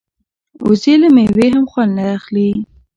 وزې له مېوې هم خوند اخلي